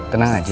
tenang aja ya